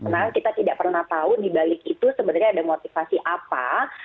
nah kita tidak pernah tahu dibalik itu sebenarnya ada motivasi apa